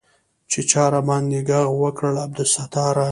چې چا راباندې ږغ وکړ عبدالستاره.